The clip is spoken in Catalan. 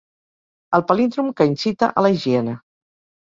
El palíndrom que incita a la higiene.